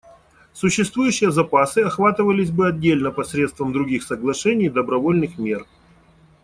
Существующие запасы охватывались бы отдельно посредством других соглашений и добровольных мер.